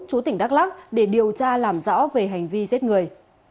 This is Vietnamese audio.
chú tỉnh đắk lắc để điều tra làm rõ về hành vi giết người